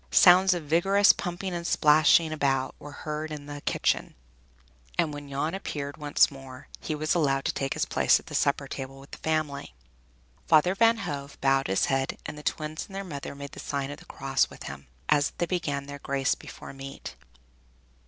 Sounds of vigorous pumping and splashing without were heard in the kitchen, and when Jan appeared once more, he was allowed to take his place at the supper table with the family. Father Van Hove bowed his head, and the Twins and their mother made the sign of the cross with him, as he began their grace before meat.